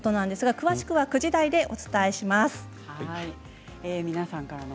詳しくは９時台でお伝えします。